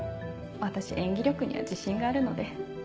私演技力には自信があるので。